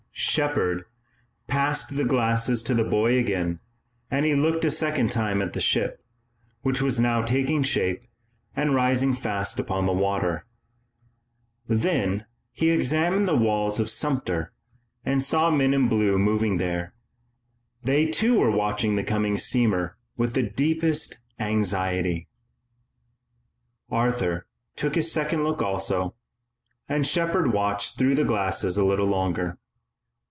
Shepard passed the glasses to the boy again, and he looked a second time at the ship, which was now taking shape and rising fast upon the water. Then he examined the walls of Sumter and saw men in blue moving there. They, too, were watching the coming steamer with the deepest anxiety. Arthur took his second look also, and Shepard watched through the glasses a little longer.